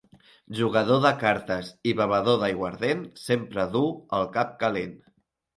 Jugador de cartes i bevedor d'aiguardent sempre duu el cap calent.